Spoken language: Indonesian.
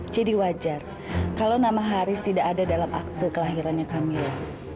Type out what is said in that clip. jadi wajar kalau nama haris tidak ada dalam akte kelahirannya kamila